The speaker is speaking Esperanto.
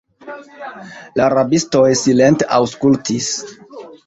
La rabistoj silente aŭskultis.